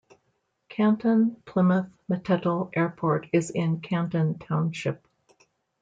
Canton-Plymouth-Mettetal Airport is in Canton Township.